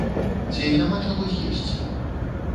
Ці няма чаго з'есці?